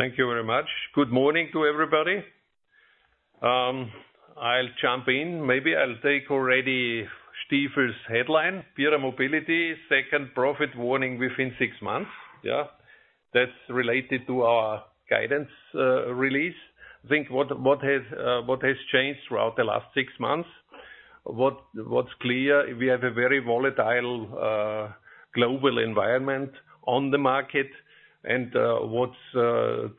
Thank you very much. Good morning to everybody. I'll jump in. Maybe I'll take already Stifel's headline. PIERER Mobility, second profit warning within six months. Yeah? That's related to our guidance release. I think what has changed throughout the last six months? What's clear? We have a very volatile global environment on the market, and what's the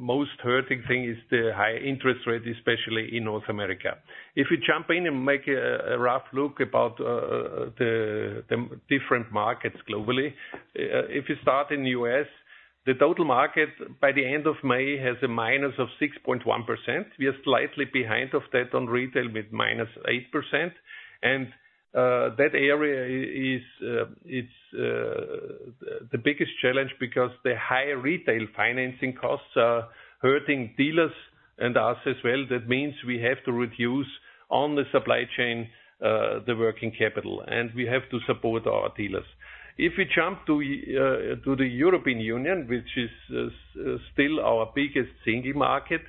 most hurting thing is the high interest rate, especially in North America. If you jump in and make a rough look about the different markets globally, if you start in the U.S., the total market by the end of May has a minus of 6.1%. We are slightly behind of that on retail with minus 8%. And that area is, it's the biggest challenge because the high retail financing costs are hurting dealers and us as well. That means we have to reduce on the supply chain, the working capital, and we have to support our dealers. If you jump to the European Union, which is still our biggest single market,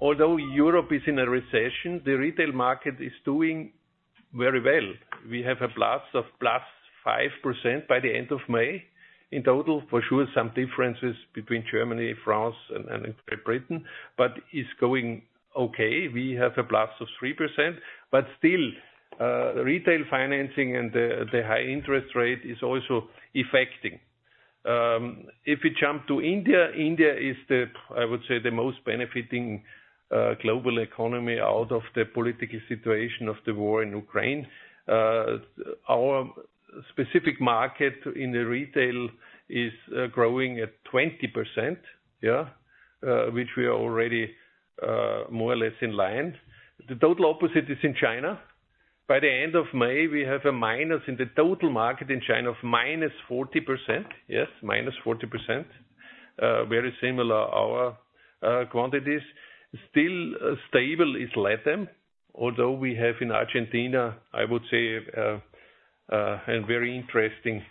although Europe is in a recession, the retail market is doing very well. We have a plus of 5% by the end of May in total. For sure, some differences between Germany, France, and Great Britain, but it's going okay. We have a plus of 3%, but still, retail financing and the high interest rate is also affecting. If you jump to India, India is, I would say, the most benefiting global economy out of the political situation of the war in Ukraine. Our specific market in the retail is growing at 20%, yeah, which we are already, more or less in line. The total opposite is in China. By the end of May, we have a minus in the total market in China of -40%. Yes, -40%. Very similar our quantities. Still stable is LATAM, although we have in Argentina, I would say, a very interesting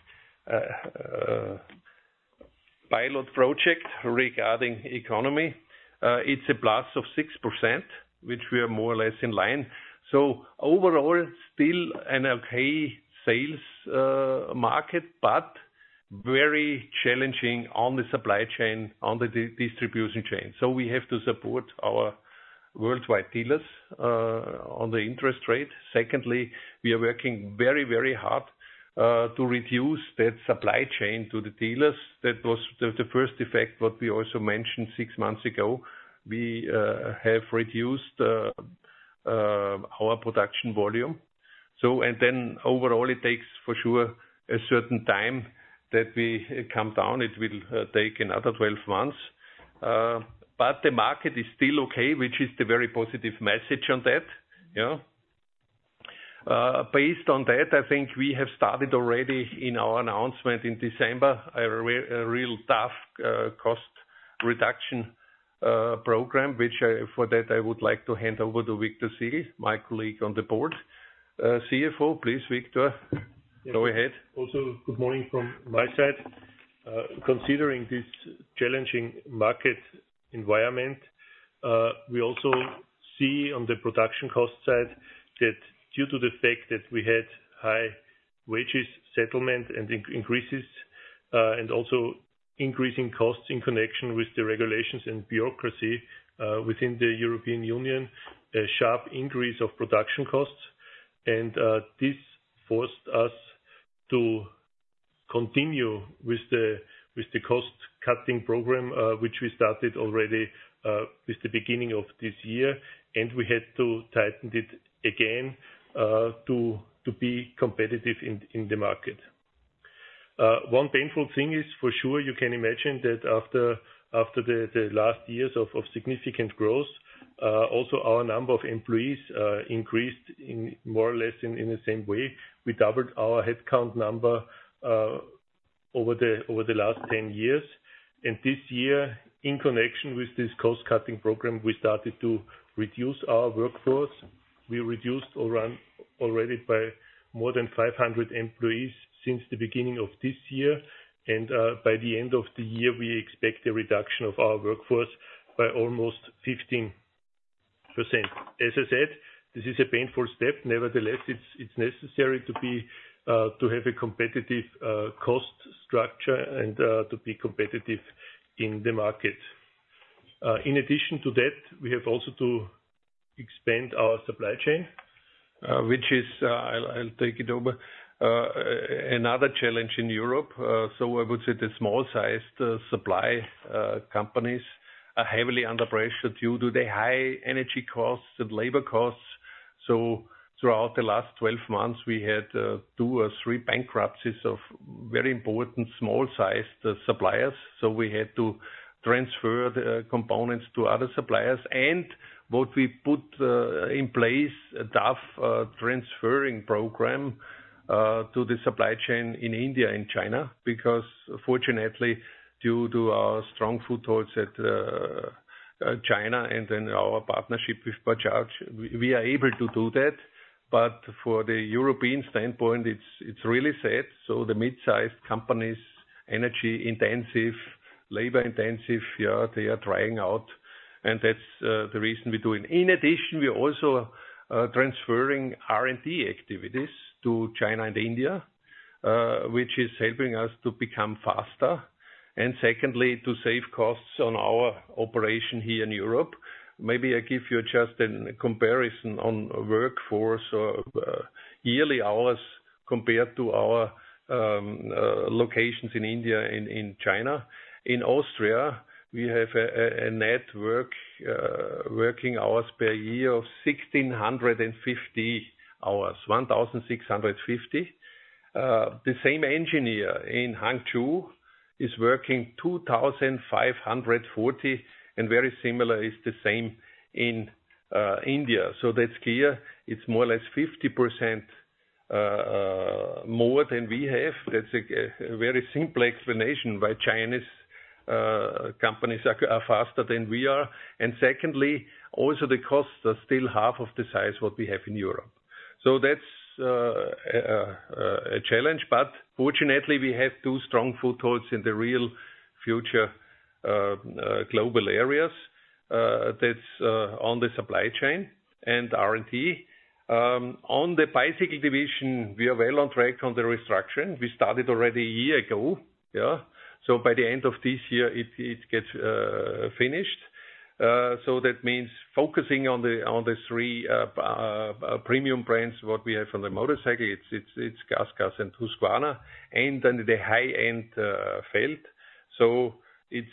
pilot project regarding economy. It's +6%, which we are more or less in line. So overall, still an okay sales market, but very challenging on the supply chain, on the distribution chain. So we have to support our worldwide dealers on the interest rate. Secondly, we are working very, very hard to reduce that supply chain to the dealers. That was the first effect what we also mentioned six months ago. We have reduced our production volume. So and then overall, it takes for sure a certain time that we come down. It will take another 12 months. But the market is still okay, which is the very positive message on that. Yeah? Based on that, I think we have started already in our announcement in December a real tough cost reduction program, which for that I would like to hand over to Viktor Sigl, my colleague on the board, CFO. Please, Viktor, go ahead. Yes. Also, good morning from my side. Considering this challenging market environment, we also see on the production cost side that due to the fact that we had high wages settlement and increases, and also increasing costs in connection with the regulations and bureaucracy within the European Union, a sharp increase of production costs. This forced us to continue with the cost-cutting program, which we started already with the beginning of this year, and we had to tighten it again, to be competitive in the market. One painful thing is for sure you can imagine that after the last years of significant growth, also our number of employees increased in more or less in the same way. We doubled our headcount number over the last 10 years. This year, in connection with this cost-cutting program, we started to reduce our workforce. We reduced our workforce already by more than 500 employees since the beginning of this year. By the end of the year, we expect a reduction of our workforce by almost 15%. As I said, this is a painful step. Nevertheless, it's necessary to have a competitive cost structure and to be competitive in the market. In addition to that, we have also to expand our supply chain which is I'll take it over, another challenge in Europe. So I would say the small-sized supply companies are heavily under pressure due to the high energy costs and labor costs. So throughout the last 12 months, we had two or three bankruptcies of very important small-sized suppliers. So we had to transfer the components to other suppliers. And what we put in place, a tough transferring program, to the supply chain in India and China because, fortunately, due to our strong footholds at China and then our partnership with Bajaj, we are able to do that. But for the European standpoint, it's really sad. So the mid-sized companies, energy-intensive, labor-intensive, yeah, they are trying out, and that's the reason we do it. In addition, we're also transferring R&D activities to China and India, which is helping us to become faster. And secondly, to save costs on our operation here in Europe. Maybe I give you just a comparison on workforce or yearly hours compared to our locations in India and in China. In Austria, we have an average working hours per year of 1,650 hours, 1,650. The same engineer in Hangzhou is working 2,540, and very similar is the same in India. So that's clear. It's more or less 50%, more than we have. That's a very simple explanation why Chinese companies are faster than we are. And secondly, also the costs are still half of the size what we have in Europe. So that's a challenge. But fortunately, we have two strong footholds in the real future global areas. That's on the supply chain and R&D. On the bicycle division, we are well on track on the restructuring. We started already a year ago. Yeah? So by the end of this year, it gets finished. So that means focusing on the three premium brands what we have on the motorcycle. It's GASGas and Husqvarna, and then the high-end field. So it's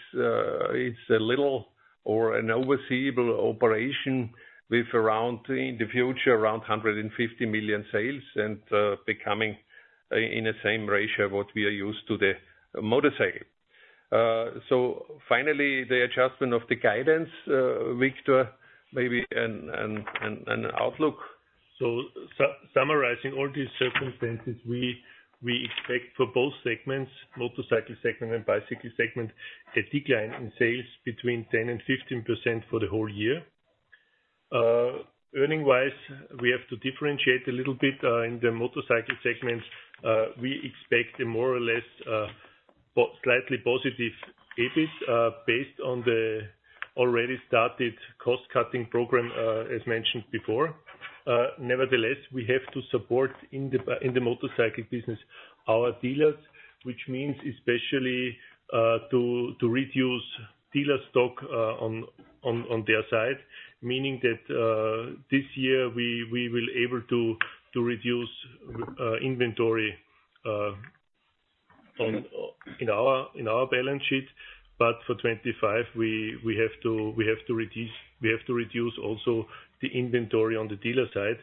a little or an overseeable operation with around, in the future, around 150 million sales and, becoming in the same ratio what we are used to the motorcycle. So finally, the adjustment of the guidance, Viktor, maybe an outlook. So, summarizing all these circumstances, we expect for both segments, motorcycle segment and bicycle segment, a decline in sales between 10%-15% for the whole year. Earning-wise, we have to differentiate a little bit. In the motorcycle segment, we expect a more or less, slightly positive EBIT, based on the already started cost-cutting program, as mentioned before. Nevertheless, we have to support in the motorcycle business our dealers, which means especially to reduce dealer stock on their side, meaning that this year we will be able to reduce inventory in our balance sheet. But for 2025, we have to reduce also the inventory on the dealer side,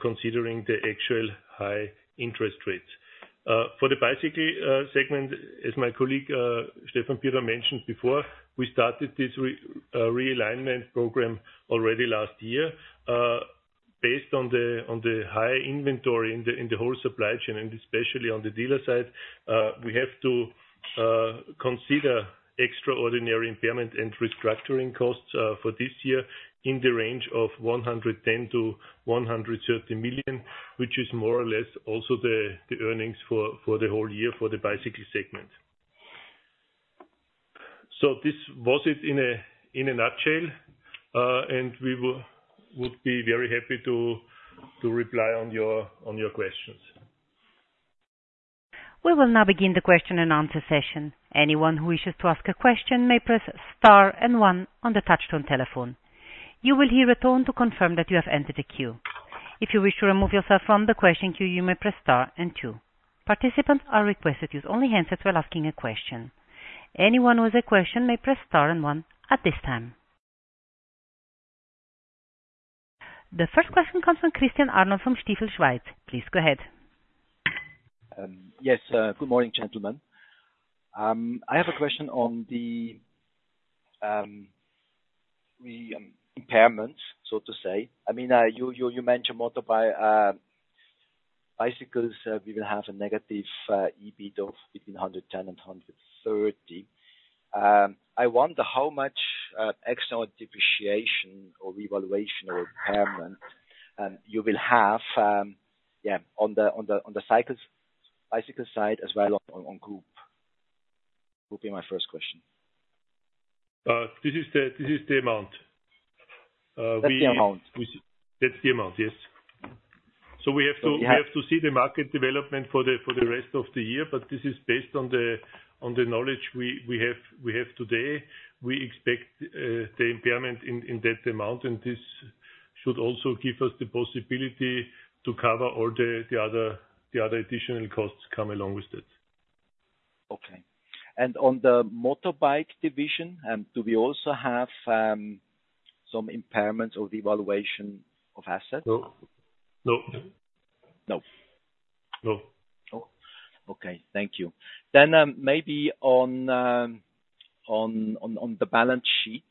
considering the actual high interest rates. For the bicycle segment, as my colleague Stefan Pierer mentioned before, we started this realignment program already last year. Based on the high inventory in the whole supply chain and especially on the dealer side, we have to consider extraordinary impairment and restructuring costs for this year in the range of 110 million-130 million, which is more or less also the earnings for the whole year for the bicycle segment. So this was it in a nutshell. And we would be very happy to reply to your questions. We will now begin the question and answer session. Anyone who wishes to ask a question may press star and one on the touch-tone telephone. You will hear a tone to confirm that you have entered a queue. If you wish to remove yourself from the question queue, you may press star and two. Participants are requested to use only handsets while asking a question. Anyone with a question may press star and one at this time. The first question comes from Christian Arnold from Stifel Schweiz. Please go ahead. Yes. Good morning, gentlemen. I have a question on the impairment, so to say. I mean, you mentioned motorbike, bicycles, we will have a negative EBIT of between 110 and 130. I wonder how much external depreciation or revaluation or impairment you will have, yeah, on the bicycle side as well on group. Group being my first question. This is the amount. That's the amount. We see that's the amount, yes. We have to see the market development for the rest of the year. But this is based on the knowledge we have today. We expect the impairment in that amount, and this should also give us the possibility to cover all the other additional costs come along with it. On the motorbike division, do we also have some impairments or devaluation of assets? No. No. Thank you. Then, maybe on the balance sheet,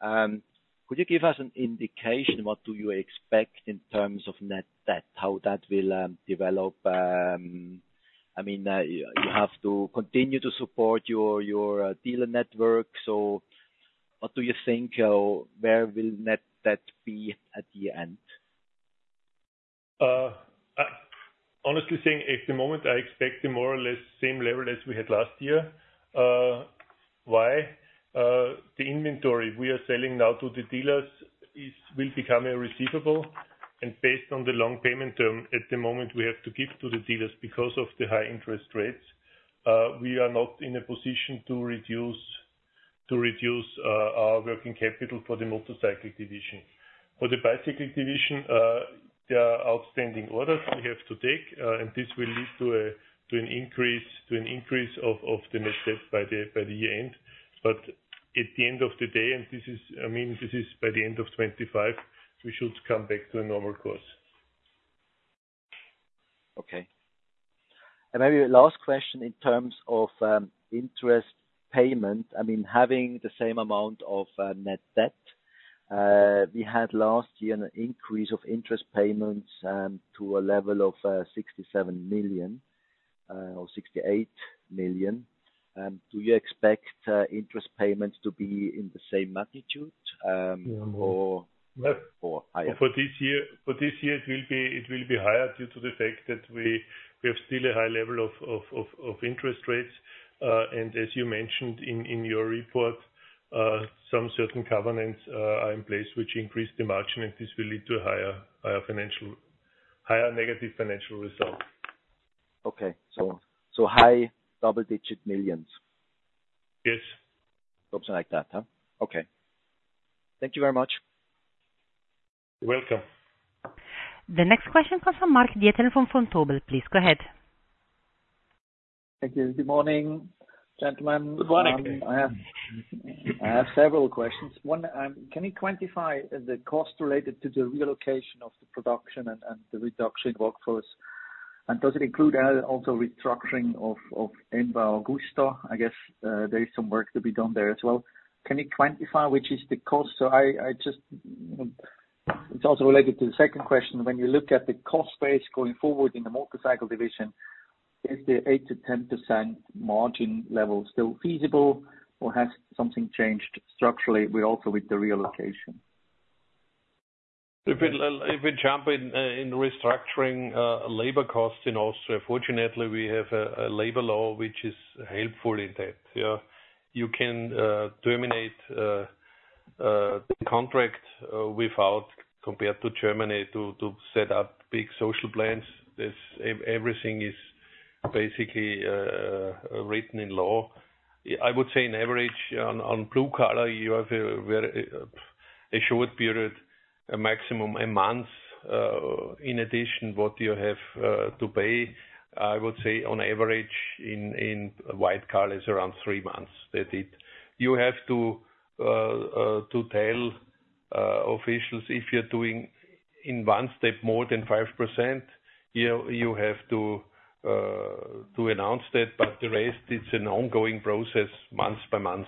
could you give us an indication what do you expect in terms of Net Debt, how that will develop? I mean, you have to continue to support your dealer network. So what do you think, where will Net Debt be at the end? I honestly think at the moment, I expect a more or less same level as we had last year. Why? The inventory we are selling now to the dealers will become irrecoverable. Based on the long payment term, at the moment, we have to give to the dealers because of the high interest rates. We are not in a position to reduce our working capital for the motorcycle division. For the bicycle division, there are outstanding orders we have to take, and this will lead to an increase of the net debt by the year end. But at the end of the day, and this is I mean, this is by the end of 2025, we should come back to a normal course. Okay. And maybe last question in terms of interest payment. I mean, having the same amount of net debt, we had last year an increase of interest payments to a level of 67 million-68 million. Do you expect interest payments to be in the same magnitude or higher? For this year, it will be higher due to the fact that we have still a high level of interest rates. And as you mentioned in your report, certain covenants are in place which increase the margin, and this will lead to a higher negative financial result. So, high double-digit millions? Yes. Something like that, huh? Okay. Thank you very much. You're welcome. The next question comes from Mark Diethelm from Vontobel, please. Go ahead. Thank you. Good morning, gentlemen. Good morning. I have several questions. One, can you quantify the cost related to the relocation of the production and the reduction in workforce? And does it include also restructuring of MV Agusta? I guess, there is some work to be done there as well. Can you quantify which is the cost? So, it's also related to the second question. When you look at the cost base going forward in the motorcycle division, is the 8%-10% margin level still feasible, or has something changed structurally with also the relocation? If it jumps in restructuring, labor costs in Austria, fortunately, we have a labor law which is helpful in that. Yeah? You can terminate the contract, without, compared to Germany, to set up big social plans. This, everything is basically written in law. I would say, on average, on blue collar, you have a very short period, a maximum of 1 month, in addition to what you have to pay. I would say on average in white collar is around 3 months that you have to tell officials if you're doing in one step more than 5%, you have to announce that. But the rest, it's an ongoing process month by month.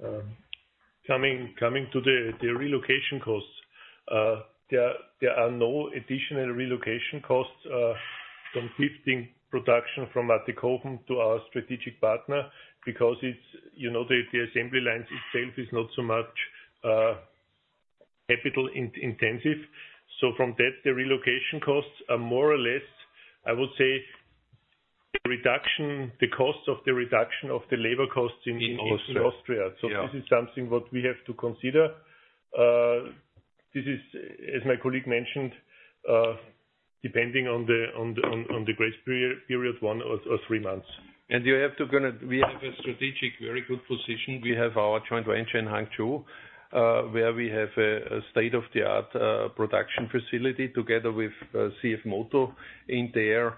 Coming to the relocation costs, there are no additional relocation costs from shifting production from Mattighofen to our strategic partner because it's, you know, the assembly lines itself is not so much capital intensive. So from that, the relocation costs are more or less, I would say, the reduction, the cost of the reduction of the labor costs in Austria. In Austria. So this is something what we have to consider. This is, as my colleague mentioned, depending on the grace period, one or three months. You have to go on. We have a strategic very good position. We have our joint venture in Hangzhou, where we have a state-of-the-art production facility together with CFMOTO. In there,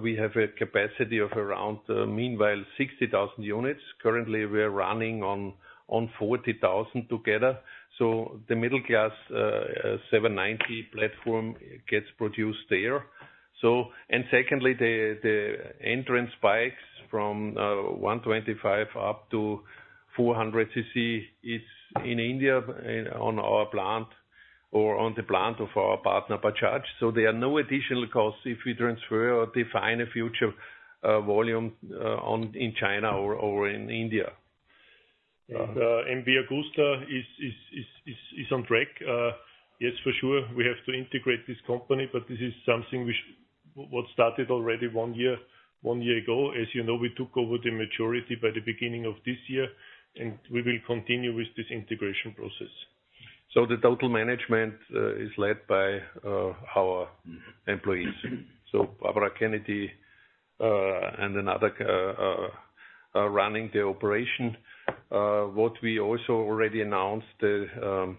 we have a capacity of around, meanwhile, 60,000 units. Currently, we are running on 40,000 together. So the middle-class 790 platform gets produced there. And secondly, the entrance bikes from 125 up to 400 cc is in India on our plant or on the plant of our partner Bajaj. So there are no additional costs if we transfer or define a future volume in China or in India. Yeah. MV Agusta is on track. Yes, for sure, we have to integrate this company, but this is something we started already one year ago. As you know, we took over the majority by the beginning of this year, and we will continue with this integration process. So the total management is led by our employees. So Barbara Kennedy, and another, running the operation. What we also already announced, the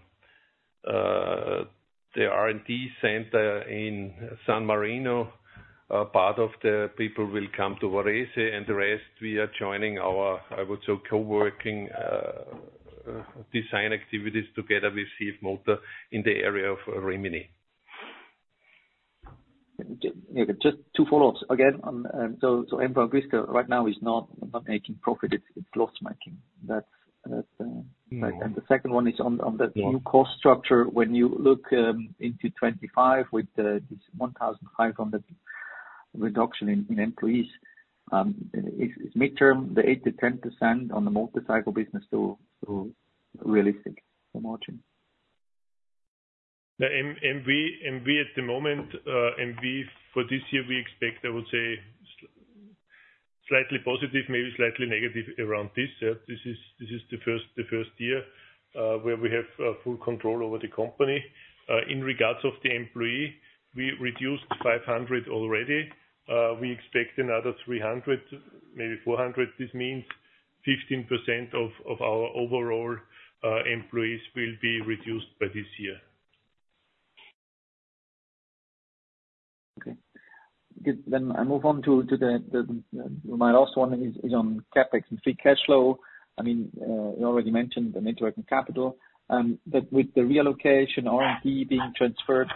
R&D center in San Marino, part of the people will come to Varese, and the rest we are joining our, I would say, co-working, design activities together with CFMOTO in the area of Rimini. Okay. Just two follow-ups. Again, so MV Agusta right now is not making profit. It's loss-making. That's, Mm-hmm. The second one is on the. Yeah. New cost structure. When you look into 2025 with this 1,500 reduction in employees, is midterm the 8%-10% on the motorcycle business still realistic for margin? Yeah. EBIT at the moment, EBIT for this year, we expect, I would say, slightly positive, maybe slightly negative around this. Yeah? This is the first year where we have full control over the company. In regards to the employees, we reduced 500 already. We expect another 300, maybe 400. This means 15% of our overall employees will be reduced by this year. Okay. Good. Then I move on to my last one is on CAPEX and free cash flow. I mean, you already mentioned the network and capital. But with the relocation R&D being transferred,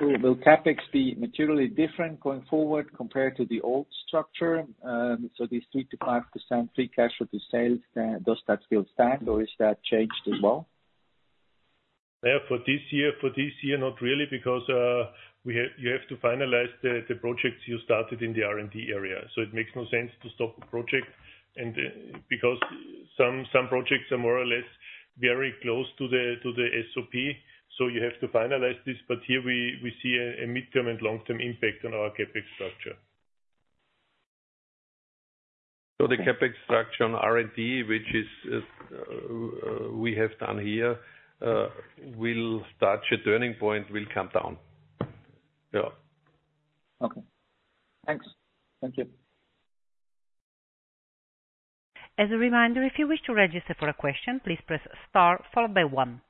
will CAPEX be materially different going forward compared to the old structure? So this 3%-5% free cash flow to sales, does that still stand, or is that changed as well? Yeah. For this year, not really because we have to finalize the projects you started in the R&D area. So it makes no sense to stop a project and because some projects are more or less very close to the SOP. So you have to finalize this. But here, we see a midterm and long-term impact on our CAPEX structure. So the CAPEX structure on R&D, which we have done here, will touch a turning point, will come down. Yeah. Okay. Thanks. Thank you. As a reminder, if you wish to register for a question, please press star followed by one.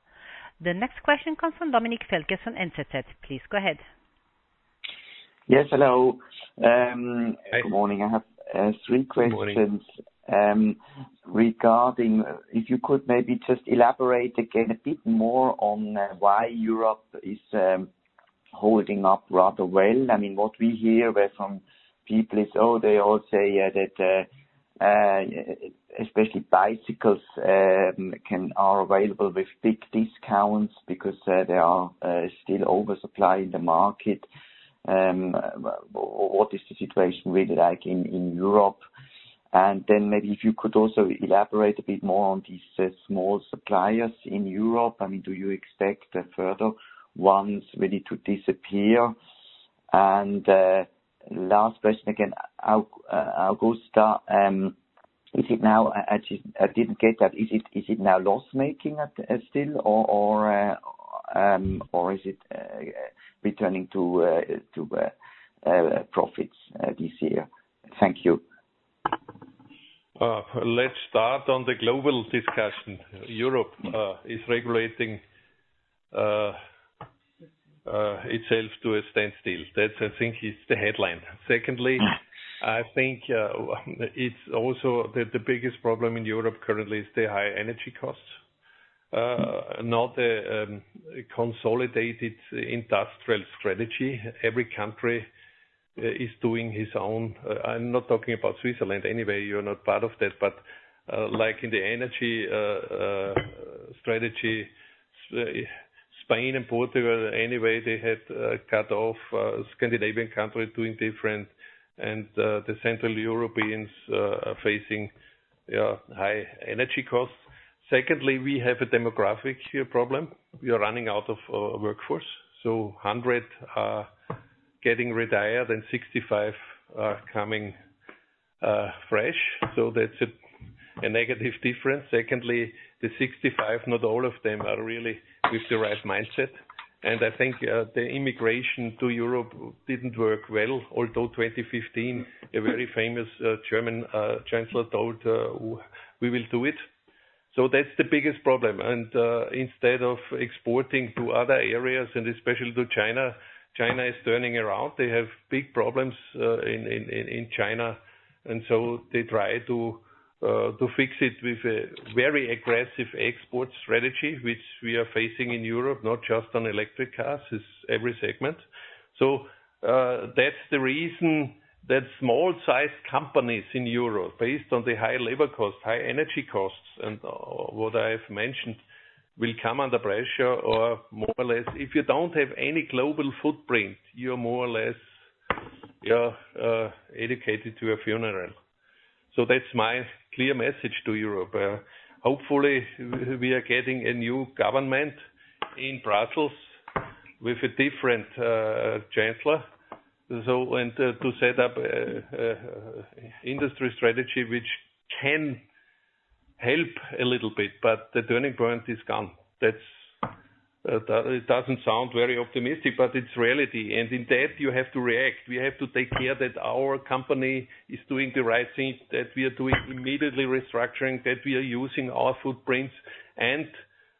The next question comes from Dominik Feldges on NZZ. Please go ahead. Yes. Hello. Hi. Good morning. I have three questions. Good morning. Regarding if you could maybe just elaborate again a bit more on why Europe is holding up rather well. I mean, what we hear from people is, "Oh, they all say that especially bicycles are available with big discounts because there is still oversupply in the market." What is the situation really like in Europe? And then maybe if you could also elaborate a bit more on these small suppliers in Europe. I mean, do you expect further ones really to disappear? And last question again, MV Agusta—is it now? I just didn't get that. Is it now loss-making still, or is it returning to profits this year? Thank you. Let's start on the global discussion. Europe is regulating itself to a standstill. That's, I think, is the headline. Secondly, I think, it's also the, the biggest problem in Europe currently is the high energy costs, not the, consolidated industrial strategy. Every country is doing his own. I'm not talking about Switzerland anyway. You're not part of that. But, like in the energy, strategy, Spain and Portugal, anyway, they had, cut off, Scandinavian countries doing different, and, the Central Europeans, are facing, yeah, high energy costs. Secondly, we have a demographic problem. We are running out of, workforce. So 100 are getting retired and 65 are coming, fresh. So that's a, a negative difference. Secondly, the 65, not all of them are really with the right mindset. And I think, the immigration to Europe didn't work well, although 2015, a very famous, German, chancellor told, "We will do it." So that's the biggest problem. And, instead of exporting to other areas, and especially to China, China is turning around. They have big problems, in China. And so they try to fix it with a very aggressive export strategy, which we are facing in Europe, not just on electric cars. It's every segment. So, that's the reason that small-sized companies in Europe, based on the high labor cost, high energy costs, and, what I've mentioned, will come under pressure or more or less if you don't have any global footprint, you're more or less, yeah, educated to a funeral. So that's my clear message to Europe. Hopefully, we are getting a new government in Brussels with a different, chancellor. So, to set up an industry strategy which can help a little bit, but the turning point is gone. That it doesn't sound very optimistic, but it's reality. And in that, you have to react. We have to take care that our company is doing the right thing, that we are doing immediately restructuring, that we are using our footprints and,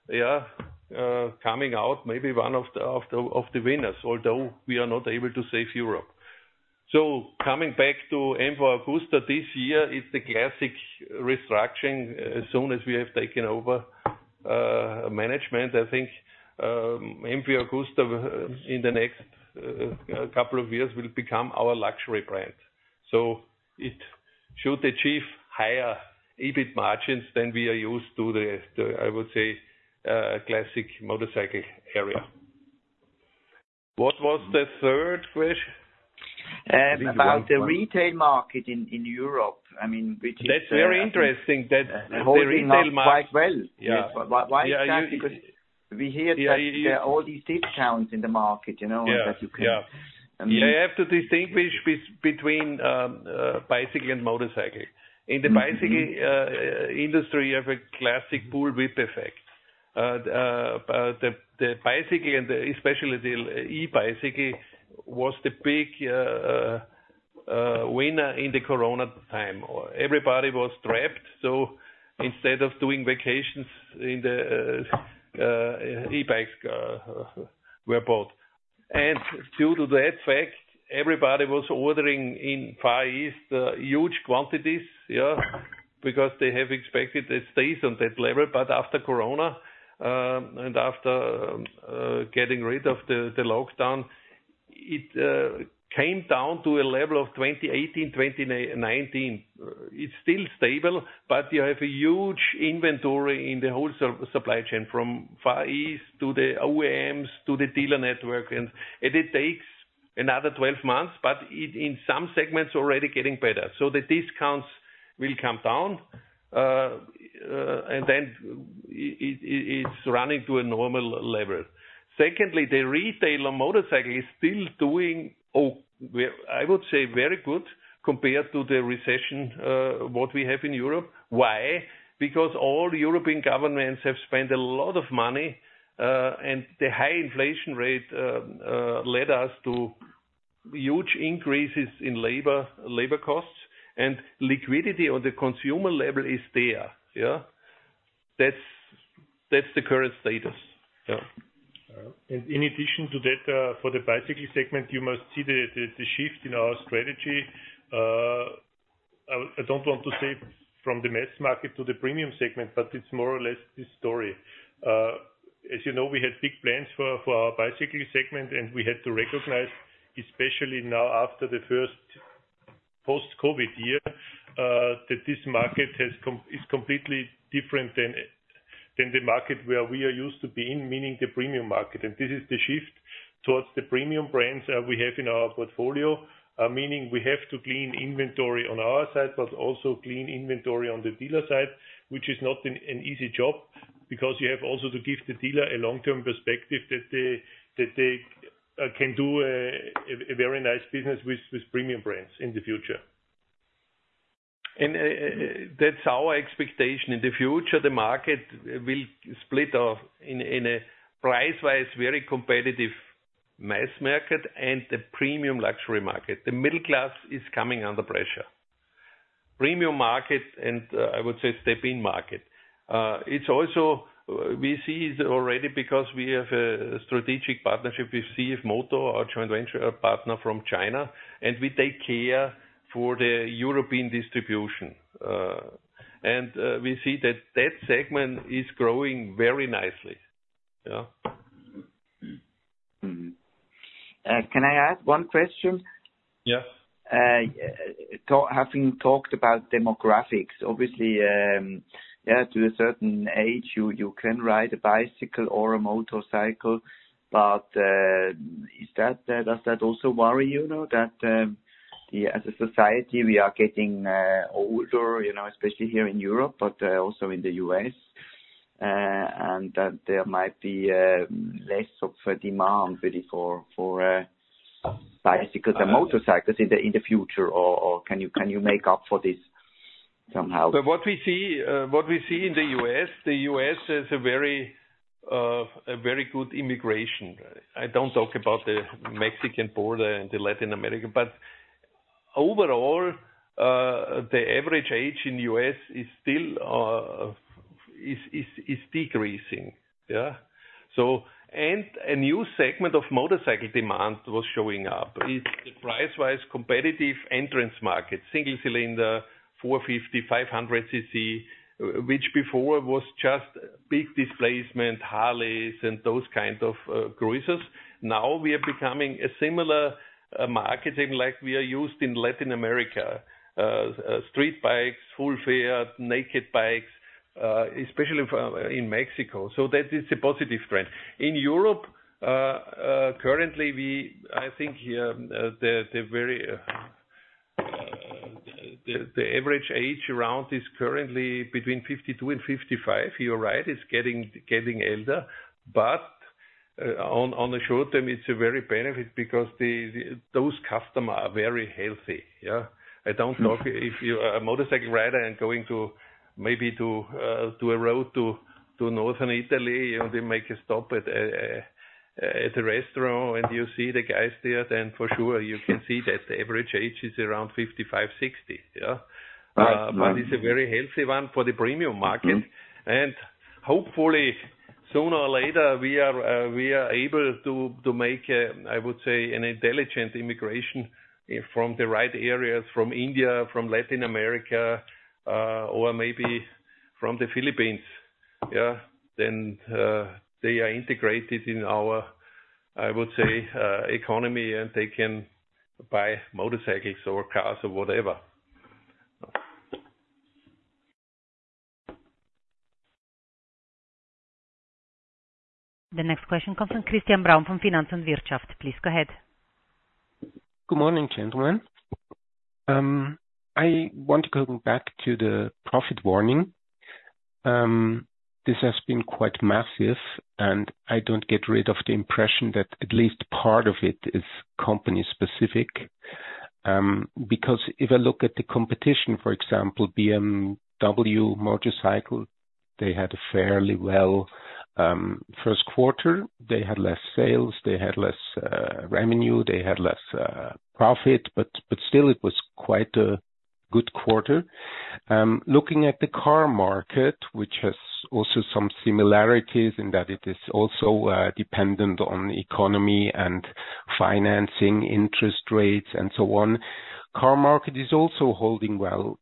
yeah, coming out maybe one of the winners, although we are not able to save Europe. So coming back to MV Agusta this year, it's the classic restructuring. As soon as we have taken over management, I think, MV Agusta in the next couple of years will become our luxury brand. So it should achieve higher EBIT margins than we are used to, I would say, classic motorcycle area. What was the third question? about the retail market in Europe. I mean, which is. That's very interesting that the retail market. How they're doing quite well. Yeah. Yeah. Why, why is that? Because we hear that there are all these discounts in the market, you know, and that you can. Yeah. Yeah. You have to distinguish between bicycle and motorcycle. In the bicycle industry, you have a classic bullwhip effect. The bicycle and especially the e-bicycle was the big winner in the corona time. Everybody was trapped. So instead of doing vacations, e-bikes were bought. And due to that fact, everybody was ordering in Far East huge quantities, yeah, because they have expected the stays on that level. But after corona, and after getting rid of the lockdown, it came down to a level of 2018, 2019. It's still stable, but you have a huge inventory in the whole supply chain from Far East to the OEMs to the dealer network. And it takes another 12 months, but in some segments already getting better. So the discounts will come down, and then it's running to a normal level. Secondly, the retail on motorcycle is still doing, oh, well, I would say very good compared to the recession, what we have in Europe. Why? Because all European governments have spent a lot of money, and the high inflation rate led us to huge increases in labor costs, and liquidity on the consumer level is there. Yeah? That's the current status. Yeah. And in addition to that, for the bicycle segment, you must see the shift in our strategy. I don't want to say from the mass market to the premium segment, but it's more or less this story. As you know, we had big plans for our bicycle segment, and we had to recognize, especially now after the first post-COVID year, that this market is completely different than the market where we are used to be in, meaning the premium market. And this is the shift towards the premium brands that we have in our portfolio, meaning we have to clean inventory on our side, but also clean inventory on the dealer side, which is not an easy job because you have also to give the dealer a long-term perspective that they can do a very nice business with premium brands in the future. And that's our expectation. In the future, the market will split off in a price-wise very competitive mass market and the premium luxury market. The middle class is coming under pressure. Premium market and, I would say, step-in market. It's also, we see it already because we have a strategic partnership with CFMOTO, our joint venture partner from China, and we take care for the European distribution. We see that that segment is growing very nicely. Yeah? Mm-hmm. Can I add one question? Yeah. all, having talked about demographics, obviously, yeah, to a certain age, you can ride a bicycle or a motorcycle. But does that also worry you, you know, that as a society, we are getting older, you know, especially here in Europe, but also in the U.S., and that there might be less of a demand really for bicycles and motorcycles in the future? Or can you make up for this somehow? So what we see in the U.S., the U.S. has a very good immigration. I don't talk about the Mexican border and the Latin America, but overall, the average age in the U.S. is still decreasing. Yeah? So and a new segment of motorcycle demand was showing up. It's the price-wise competitive entrance market, single cylinder, 450, 500 cc, which before was just big displacement, Harleys, and those kind of cruisers. Now we are becoming a similar market segment like we are used in Latin America, street bikes, full-fare, naked bikes, especially in Mexico. So that is a positive trend. In Europe, currently, I think, yeah, the average age around is currently between 52 and 55. You're right. It's getting older. But on the short term, it's very beneficial because those customers are very healthy. Yeah? I don't talk if you're a motorcycle rider and going to maybe a road to northern Italy, and you make a stop at a restaurant, and you see the guys there, then for sure you can see that the average age is around 55-60. Yeah? Right. Right. But it's a very healthy one for the premium market. And hopefully, sooner or later, we are able to make, I would say, an intelligent immigration from the right areas, from India, from Latin America, or maybe from the Philippines. Yeah? Then, they are integrated in our, I would say, economy, and they can buy motorcycles or cars or whatever. The next question comes from Christian Braun from Finanz und Wirtschaft. Please go ahead. Good morning, gentlemen. I want to go back to the profit warning. This has been quite massive, and I don't get rid of the impression that at least part of it is company-specific, because if I look at the competition, for example, BMW Motorrad, they had a fairly well first quarter. They had less sales. They had less revenue. They had less profit. But, but still, it was quite a good quarter. Looking at the car market, which has also some similarities in that it is also dependent on economy and financing, interest rates, and so on, car market is also holding well,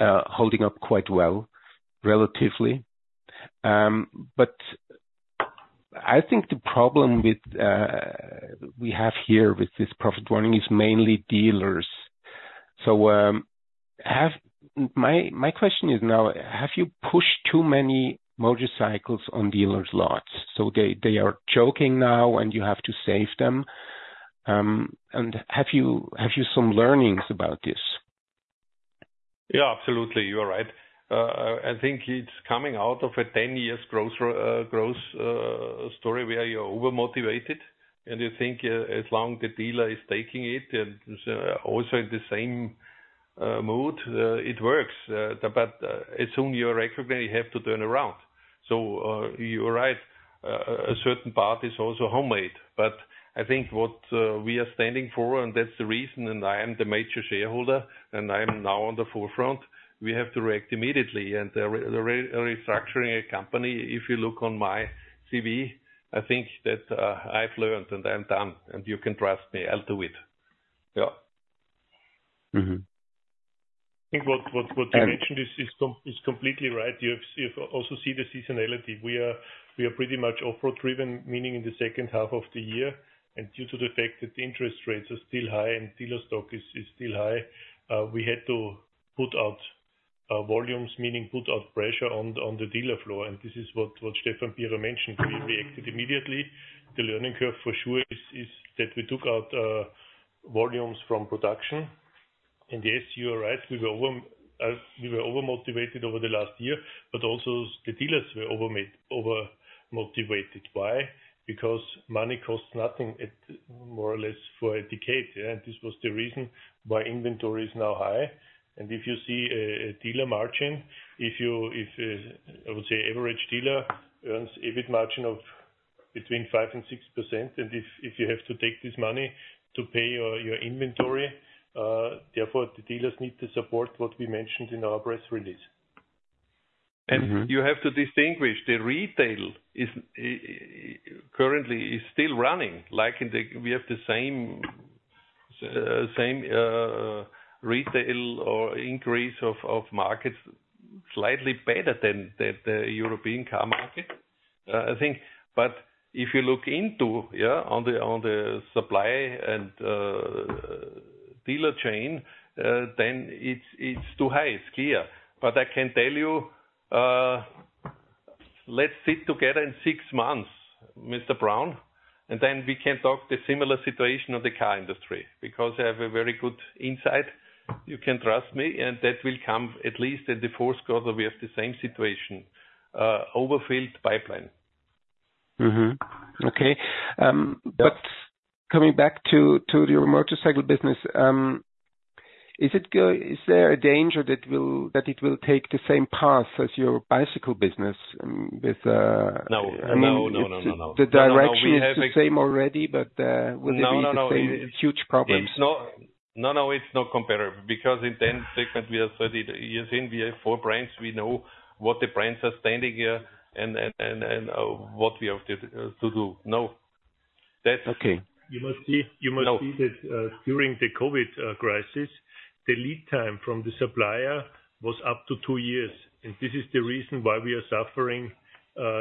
holding up quite well relatively. But I think the problem with, we have here with this profit warning is mainly dealers. So, have my, my question is now, have you pushed too many motorcycles on dealers' lots? So they are choking now, and you have to save them. And have you some learnings about this? Yeah, absolutely. You're right. I think it's coming out of a 10-year growth story where you're overmotivated, and you think, as long as the dealer is taking it and also in the same mood, it works. But as soon as you recognize you have to turn around. So, you're right. A certain part is also homemade. But I think what we are standing for, and that's the reason, and I am the major shareholder, and I am now on the forefront, we have to react immediately. And the restructuring a company, if you look on my CV, I think that I've learned and I'm done. And you can trust me. I'll do it. Yeah. Mm-hmm. I think what you mentioned is completely right. You also see the seasonality. We are pretty much off-road driven, meaning in the second half of the year. And due to the fact that the interest rates are still high and dealer stock is still high, we had to put out volumes, meaning put out pressure on the dealer floor. And this is what Stefan Pierer mentioned. We reacted immediately. The learning curve for sure is that we took out volumes from production. And yes, you are right. We were overmotivated over the last year, but also the dealers were overmotivated. Why? Because money costs nothing at more or less for a decade. Yeah? And this was the reason why inventory is now high. If you see a dealer margin, I would say average dealer earns EBIT margin of between 5%-6%, and if you have to take this money to pay your inventory, therefore the dealers need to support what we mentioned in our press release. Mm-hmm. You have to distinguish the retail is currently still running like in the we have the same same retail or increase of markets slightly better than the European car market, I think. But if you look into on the supply and dealer chain, then it's too high. It's clear. But I can tell you, let's sit together in six months, Mr. Braun, and then we can talk the similar situation on the car industry because I have a very good insight. You can trust me, and that will come at least in the fourth quarter. We have the same situation, overfilled pipeline. Mm-hmm. Okay. But coming back to your motorcycle business, is there a danger that it will take the same path as your bicycle business? The direction is the same already, but will it be the same huge problems? No, no, no, no, it's not comparable because in the end segment, we are 30 years in. We have 4 brands. We know what the brands are standing for and what we have to do. No. That's. Okay. You must see that, during the COVID crisis, the lead time from the supplier was up to two years. And this is the reason why we are suffering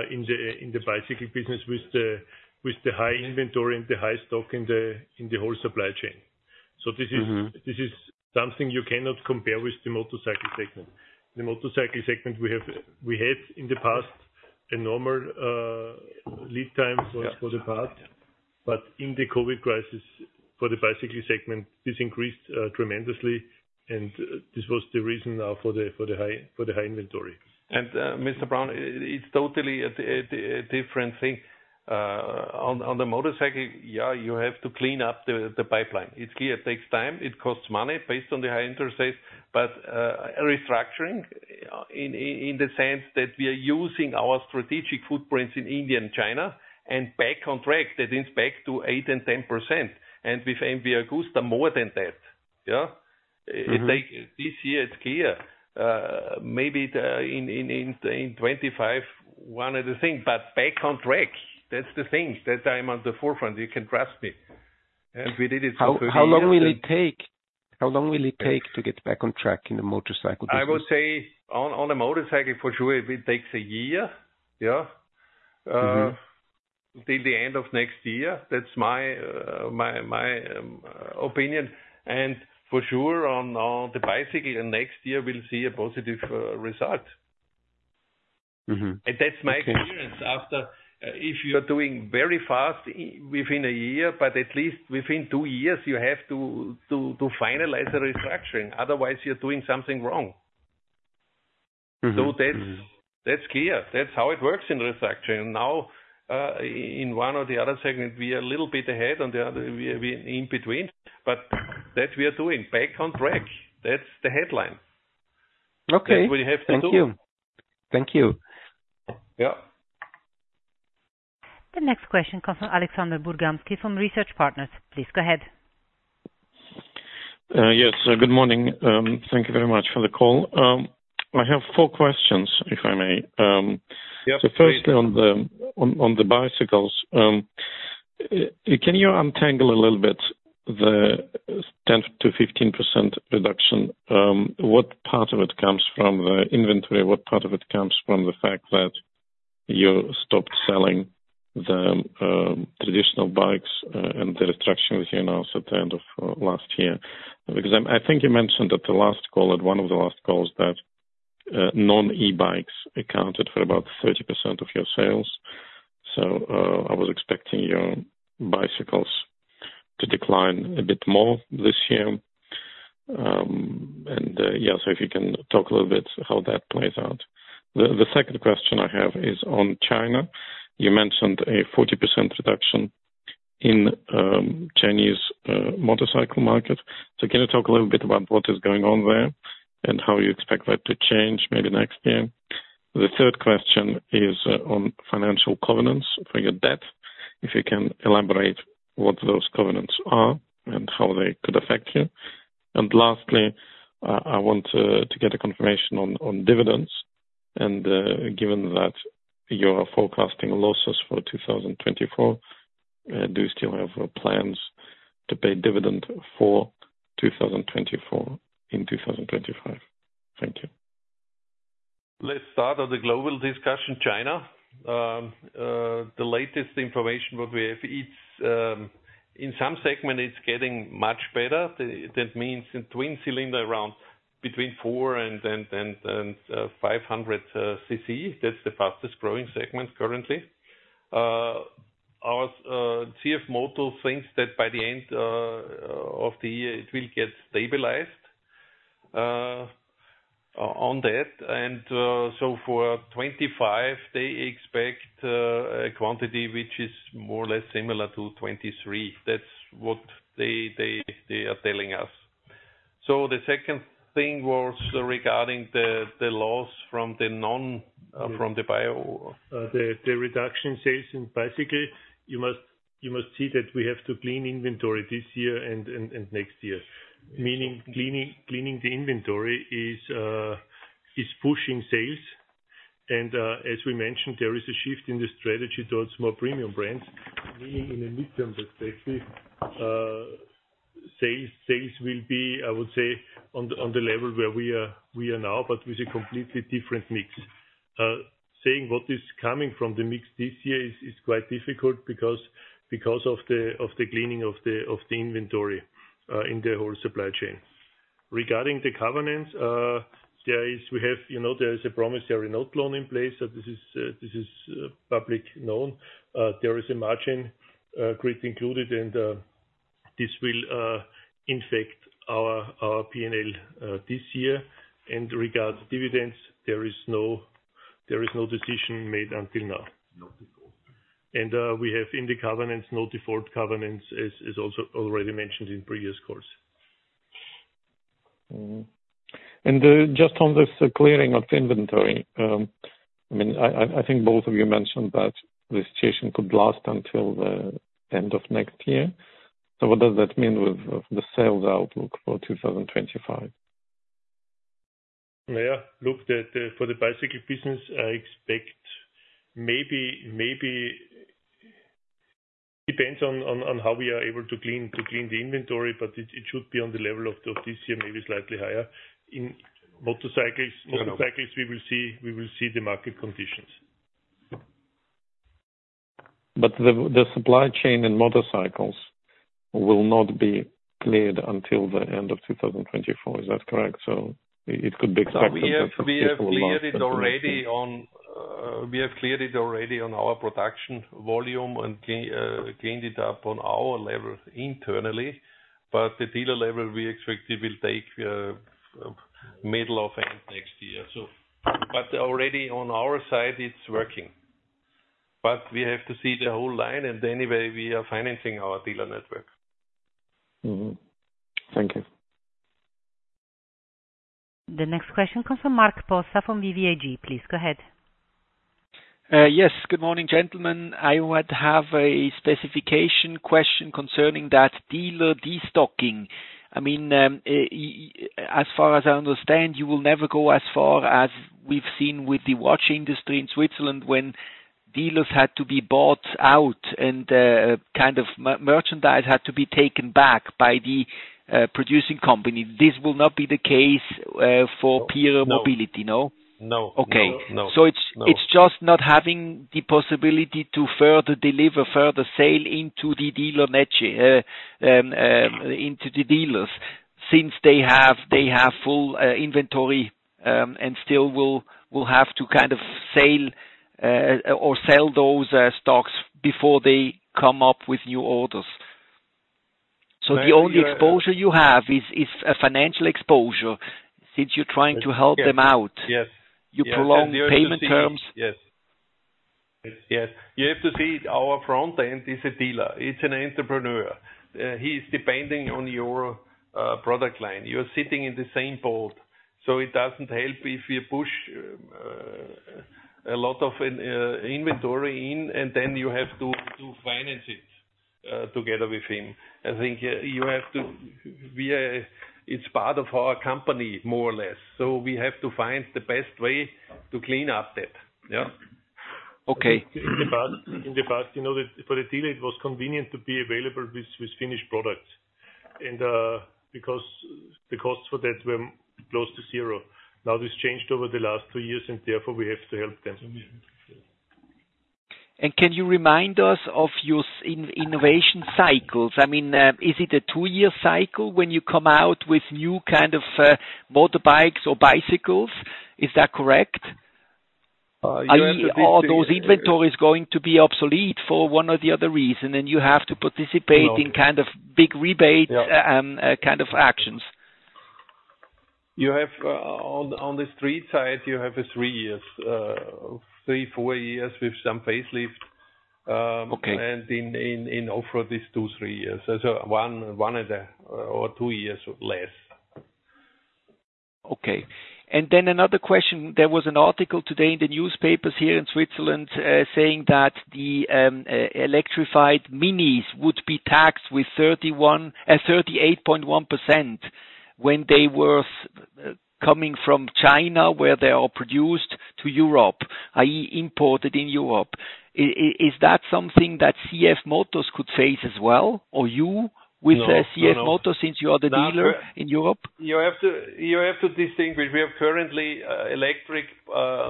in the bicycle business with the high inventory and the high stock in the whole supply chain. So this is. Mm-hmm. This is something you cannot compare with the motorcycle segment. The motorcycle segment, we had in the past a normal lead time for the past. But in the COVID crisis, for the bicycle segment, this increased tremendously. And this was the reason now for the high inventory. Mr. Braun, it's totally a different thing. On the motorcycle, yeah, you have to clean up the pipeline. It's clear it takes time. It costs money based on the high interest rates. But restructuring in the sense that we are using our strategic footprints in India and China and back on track. That is back to 8% and 10%. And with MV Agusta, more than that. Yeah? It takes this year, it's clear. Maybe in 2025, one other thing. But back on track. That's the thing that I'm on the forefront. You can trust me. And we did it for. How long will it take? How long will it take to get back on track in the motorcycle business? I would say on a motorcycle, for sure, it takes a year. Yeah? Mm-hmm. Till the end of next year. That's my opinion. And for sure, on the bicycle, next year, we'll see a positive result. Mm-hmm. That's my experience after. If you're doing very fast within a year, but at least within two years, you have to finalize the restructuring. Otherwise, you're doing something wrong. Mm-hmm. So that's, that's clear. That's how it works in restructuring. Now, in one or the other segment, we are a little bit ahead on the other, we in between. But that we are doing back on track. That's the headline. Okay. That's what you have to do. Thank you. Thank you. Yeah. The next question comes from Alexander Burgansky from Research Partners. Please go ahead. Yes. Good morning. Thank you very much for the call. I have four questions, if I may. Yeah, please. So firstly, on the bicycles, can you untangle a little bit the 10%-15% reduction? What part of it comes from the inventory? What part of it comes from the fact that you stopped selling the traditional bikes, and the restructuring that you announced at the end of last year? Because I think you mentioned at the last call, at one of the last calls, that non-e-bikes accounted for about 30% of your sales. So, I was expecting your bicycles to decline a bit more this year. Yeah, so if you can talk a little bit how that plays out. The second question I have is on China. You mentioned a 40% reduction in Chinese motorcycle market. So can you talk a little bit about what is going on there and how you expect that to change maybe next year? The third question is on financial covenants for your debt. If you can elaborate what those covenants are and how they could affect you? And lastly, I want to get a confirmation on dividends. And, given that you are forecasting losses for 2024, do you still have plans to pay dividend for 2024 in 2025? Thank you. Let's start on the global discussion, China. The latest information what we have, it's in some segment, it's getting much better. That means in twin cylinder around between 400 and 500 cc. That's the fastest growing segment currently. Our CFMOTO thinks that by the end of the year, it will get stabilized on that. So for 2025, they expect a quantity which is more or less similar to 2023. That's what they are telling us. So the second thing was regarding the loss from the non, from the bio. The reduction in sales in bicycles. You must see that we have to clean inventory this year and next year. Meaning, cleaning the inventory is pushing sales. As we mentioned, there is a shift in the strategy towards more premium brands. Meaning, in the midterm perspective, sales will be, I would say, on the level where we are now, but with a completely different mix. Saying what is coming from the mix this year is quite difficult because of the cleaning of the inventory in the whole supply chain. Regarding the covenants, we have, you know, there is a promissory note loan in place. So this is publicly known. There is a margin grid included, and this will impact our P&L this year. Regarding dividends, there is no decision made until now. No default. We have in the covenants, no default covenants, as also already mentioned in previous calls. Mm-hmm. And, just on this clearing of inventory, I mean, I think both of you mentioned that the situation could last until the end of next year. So what does that mean with the sales outlook for 2025? Yeah. Look, that for the bicycle business, I expect maybe depends on how we are able to clean the inventory, but it should be on the level of this year, maybe slightly higher. In motorcycles. Mm-hmm. Motorcycles, we will see. We will see the market conditions. But the supply chain and motorcycles will not be cleared until the end of 2024. Is that correct? So it could be expected that it will last. Yeah, we have cleared it already on our production volume and cleaned it up on our level internally. But the dealer level, we expect it will take middle of end next year. So but already on our side, it's working. But we have to see the whole line. And anyway, we are financing our dealer network. Mm-hmm. Thank you. The next question comes from Mark Possa from VV Vermögensverwaltung. Please go ahead. Yes. Good morning, gentlemen. I would have a specification question concerning that dealer destocking. I mean, as far as I understand, you will never go as far as we've seen with the watch industry in Switzerland when dealers had to be bought out and, kind of, merchandise had to be taken back by the producing company. This will not be the case for PIERER Mobility. No? No. No. No. Okay. So it's just not having the possibility to further deliver, further sale into the dealer net into the dealers since they have full inventory, and still will have to kind of sale, or sell those stocks before they come up with new orders. So the only exposure you have is a financial exposure since you're trying to help them out. Yes. Yes. You prolong payment terms. Yes. Yes. You have to see our front end is a dealer. It's an entrepreneur. He is depending on your product line. You're sitting in the same boat. So it doesn't help if you push a lot of inventory in, and then you have to finance it together with him. I think we are. It's part of our company, more or less. So we have to find the best way to clean up that. Yeah? Okay. In the past, you know, for the dealer, it was convenient to be available with finished products. Because the costs for that were close to zero. Now this changed over the last two years, and therefore we have to help them. Can you remind us of your innovation cycles? I mean, is it a two-year cycle when you come out with new kind of motorbikes or bicycles? Is that correct? yeah. Are you, are those inventories going to be obsolete for one or the other reason, and you have to participate in kind of big rebate, kind of actions? You have, on the street side, you have a 3 years, 3, 4 years with some facelift. Okay. And in off-road is 2-3 years. So 1 and a or 2 years or less. Okay. Then another question. There was an article today in the newspapers here in Switzerland, saying that the electrified MINIs would be taxed with 31%-38.1% when they were coming from China, where they are produced, to Europe, i.e., imported in Europe. Is that something that CFMOTO could face as well or you with CFMOTO since you are the dealer in Europe? You have to, you have to distinguish. We have currently electric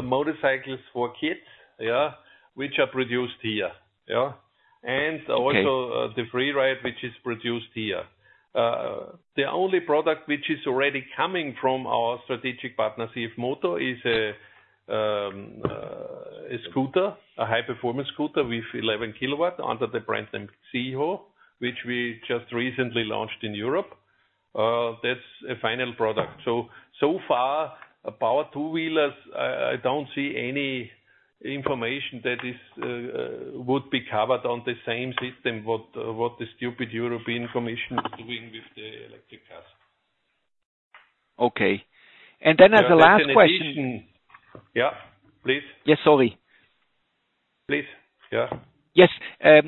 motorcycles for kids, yeah, which are produced here. Yeah? And also. Okay. The Freeride, which is produced here. The only product which is already coming from our strategic partner, CFMOTO, is a scooter, a high-performance scooter with 11 kW under the brand name ZEEHO, which we just recently launched in Europe. That's a final product. So far, about two-wheelers, I don't see any information that is, would be covered on the same system what the stupid European Commission is doing with the electric cars. Okay. And then as a last question. And then between, yeah? Please? Yes, sorry. Please? Yeah? Yes.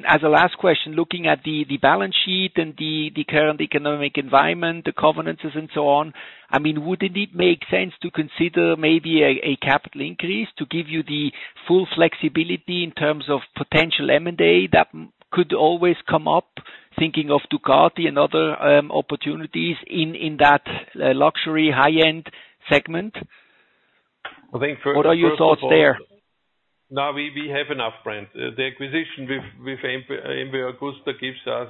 As a last question, looking at the balance sheet and the current economic environment, the covenants, and so on, I mean, wouldn't it make sense to consider maybe a capital increase to give you the full flexibility in terms of potential M&A that could always come up, thinking of Ducati and other opportunities in that luxury high-end segment? I think first. What are your thoughts there? No, we have enough brands. The acquisition with MV Agusta gives us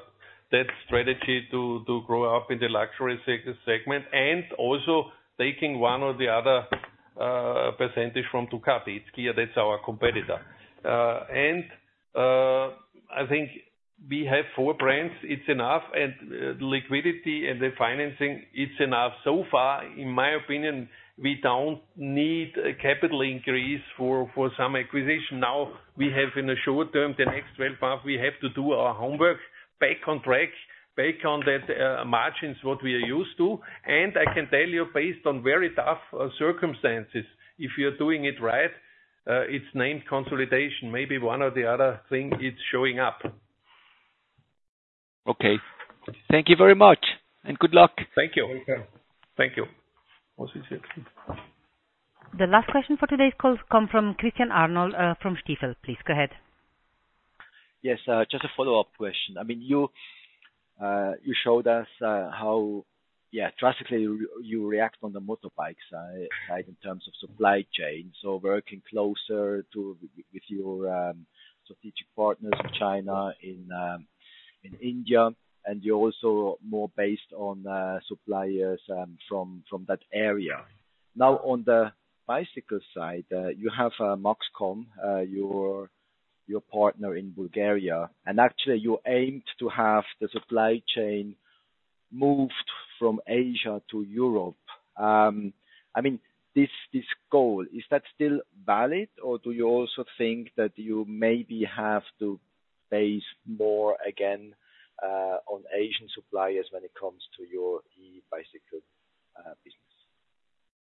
that strategy to grow up in the luxury segment and also taking one or the other percentage from Ducati. It's clear that's our competitor. I think we have four brands. It's enough. The liquidity and the financing, it's enough. So far, in my opinion, we don't need a capital increase for some acquisition. Now, in the short term, the next 12 months, we have to do our homework, back on track, back on that margins what we are used to. And I can tell you, based on very tough circumstances, if you're doing it right, it's named consolidation. Maybe one or the other thing is showing up. Okay. Thank you very much. Good luck. Thank you. Thank you. What was it again? The last question for today's calls come from Christian Arnold, from Stifel. Please go ahead. Yes. Just a follow-up question. I mean, you showed us how, yeah, drastically you react on the motorbikes side in terms of supply chain. So working closer to with your strategic partners in China and in India, and you're also more based on suppliers from that area. Now, on the bicycle side, you have a Maxcom, your partner in Bulgaria. And actually, you aimed to have the supply chain moved from Asia to Europe. I mean, this goal, is that still valid, or do you also think that you maybe have to base more again on Asian suppliers when it comes to your e-bicycle business?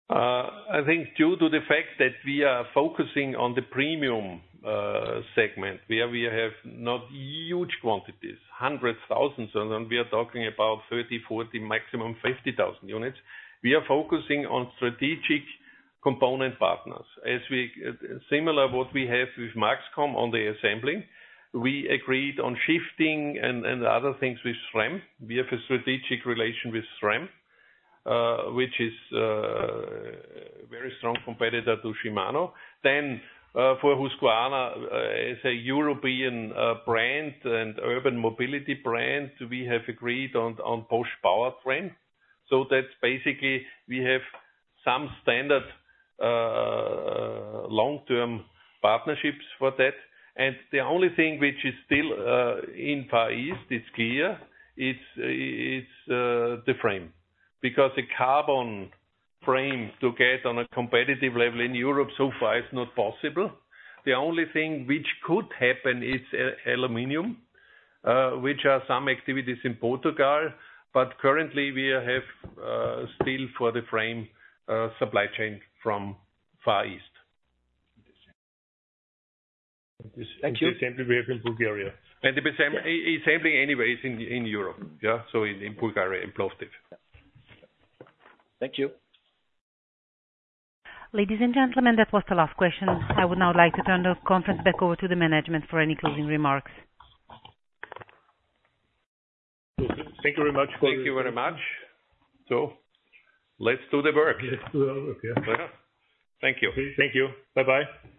I think due to the fact that we are focusing on the premium segment, where we have not huge quantities, hundreds, thousands, and then we are talking about 30, 40, maximum 50,000 units, we are focusing on strategic component partners. As we similar what we have with Maxcom on the assembly, we agreed on shifting and other things with SRAM. We have a strategic relation with SRAM, which is a very strong competitor to Shimano. Then, for Husqvarna, as a European brand and urban mobility brand, we have agreed on Bosch powertrain. So that's basically we have some standard, long-term partnerships for that. The only thing which is still in Far East is clear is the frame because a carbon frame to get on a competitive level in Europe so far is not possible. The only thing which could happen is aluminum, which are some activities in Portugal. But currently, we have still for the frame, supply chain from Far East. Thank you. The assembly we have in Bulgaria. The assembly anyway is in Europe. Yeah? So in Bulgaria in Plovdiv. Thank you. Ladies and gentlemen, that was the last question. I would now like to turn the conference back over to the management for any closing remarks. Thank you very much for. Thank you very much. Let's do the work. Let's do the work. Yeah. Thank you. Thank you. Bye-bye.